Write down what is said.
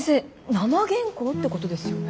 生原稿ってことですよね。